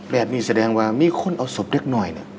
แบบนี้แสดงว่ามีคนเอาศพเล็กหน่อย